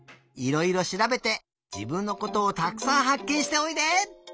いろいろしらべて自分のことをたくさんはっけんしておいで！